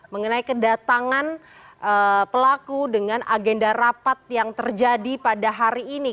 mengenai kedatangan pelaku dengan agenda rapat yang terjadi pada hari ini